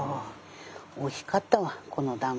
おいしかったわこの団子も。